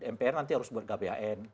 mpr nanti harus buat gbhn